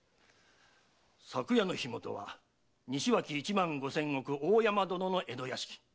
昨夜の火元は西脇一万五千石大山殿の江戸屋敷。